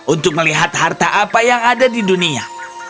untuk melihat harta apa yang ada di dunia